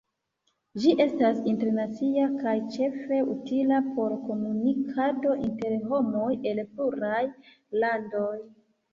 Ĝi estas internacia kaj ĉefe utila por komunikado inter homoj el pluraj landoj.